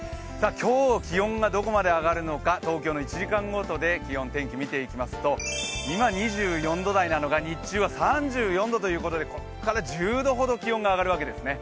今日気温がどこまで上がるのか東京の１時間ごとで気温、見ていきますと今２４度台なのが、日中は３４度ということでここから１０度ほど気温が上がるわけですね。